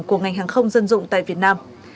của ngành hàng không dân dụng tại việt nam